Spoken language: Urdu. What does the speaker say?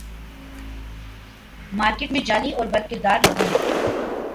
مارکیٹ میں جعلی اور بدکردار لوگوں نے